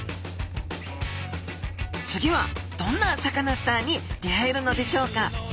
次はどんなサカナスターに出会えるのでしょうか？